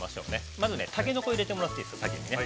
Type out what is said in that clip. まず、タケノコを入れてもらっていいですか、先にね。